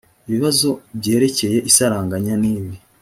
ibibazo byerekeye isaranganya nibi